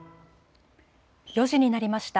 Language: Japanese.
４時になりました。